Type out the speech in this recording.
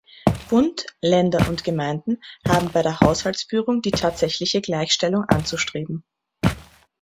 Bund, Länder und Gemeinden haben bei der Haushaltsführung die tatsächliche Gleichstellung anzustreben.